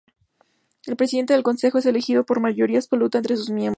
El Presidente del Consejo es elegido por mayoría absoluta entre sus miembros.